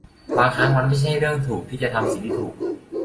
บางครั้งมันไม่ใช่เรื่องถูกที่จะทำสิ่งที่ถูก